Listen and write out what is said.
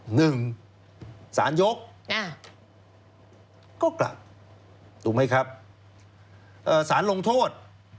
หนึ่งสารยกก็กลับถูกไหมครับเอ่อสารลงโทษ